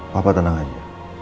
papa tenang aja